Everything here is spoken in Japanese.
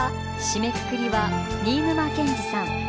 締めくくりは新沼謙治さん